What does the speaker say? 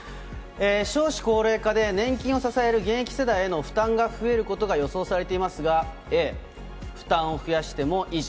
少子高齢化で、年金を支える現役世代への負担が増えることが予想されていますが、Ａ、負担を増やしても維持。